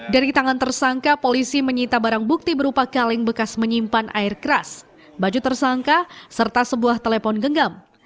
dari tangan tersangka polisi menyita barang bukti berupa kaleng bekas menyimpan air keras baju tersangka serta sebuah telepon genggam